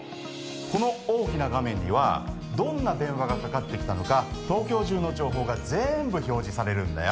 この大きな画面にはどんな電話がかかってきたのか東京中の情報が全部表示されるんだよ